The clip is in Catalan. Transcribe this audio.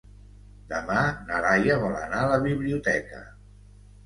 Demà na Laia vol anar a la biblioteca.